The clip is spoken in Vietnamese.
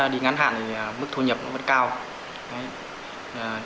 đi ngắn hạn thì mức thu nhập vẫn cao